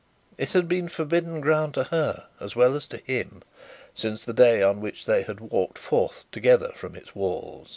It had been forbidden ground to her as well as to him since the day on which they had walked forth together from its walk.